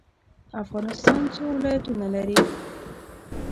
افغانستان څو ولایتونه لري؟